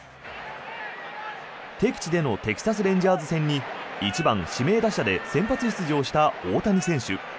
敵地でのテキサス・レンジャーズ戦に１番指名打者で先発出場した大谷選手。